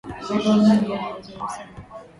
Hii ngoma nzuri sana